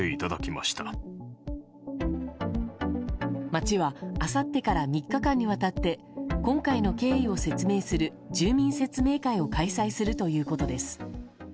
町は、あさってから３日間にわたって今回の経緯を説明する住民説明会を開催するということです。